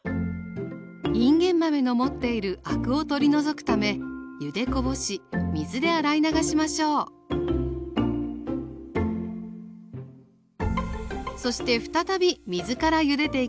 いんげん豆の持っているアクを取り除くためゆでこぼし水で洗い流しましょうそして再び水からゆでていきます。